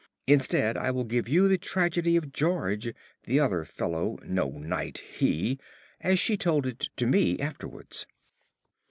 Instead I will give you the tragedy of George, the other fellow (no knight he), as she told it to me afterwards.